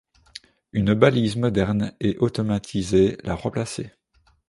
Une balise moderne et automatisée l'a remplacé.